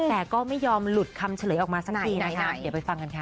แต่ก็ไม่ยอมหลุดคำเฉลยออกมาสักทีนะคะเดี๋ยวไปฟังกันค่ะ